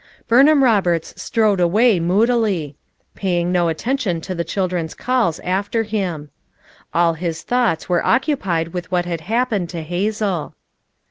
Burnham Roberts strode away moodily; pay ing no attention to the children's calls after FOUR MOTHERS AT CHAUTAUQUA 343 him. All his thoughts were occupied with what had happened to Hazel.